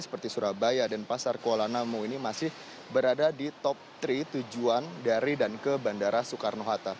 seperti surabaya dan pasar kuala namu ini masih berada di top tiga tujuan dari dan ke bandara soekarno hatta